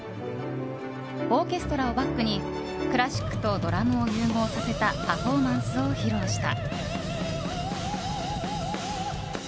オーケストラをバックにクラシックとドラムを融合させたパフォーマンスを披露した。